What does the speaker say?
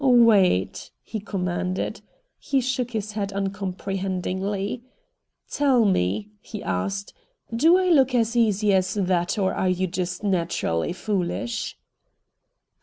"Wait!" he commanded. He shook his head uncomprehendingly. "Tell me," he asked, "do I look as easy as that, or are you just naturally foolish?"